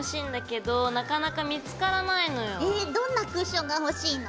どんなクッションが欲しいの？